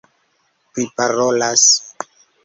priparolas